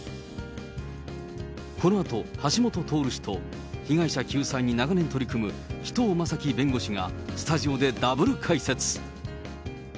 このあと橋下徹氏と、被害者救済に長年取り組む紀藤正樹弁護士が、スタジオでＷ解説。